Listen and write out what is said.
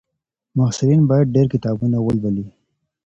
محصلین باید ډېر کتابونه ولولي.